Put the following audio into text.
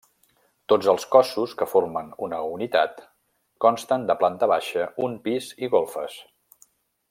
Tots els cossos, que formen una unitat, consten de planta baixa, un pis i golfes.